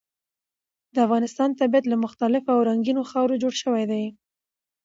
د افغانستان طبیعت له مختلفو او رنګینو خاورو جوړ شوی دی.